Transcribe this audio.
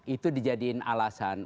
itu dijadikan alasan